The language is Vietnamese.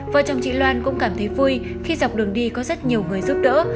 vợ chồng chị loan cũng cảm thấy vui khi dọc đường đi có rất nhiều người giúp đỡ